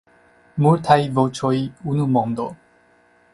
Multaj voĉoj, unu mondo.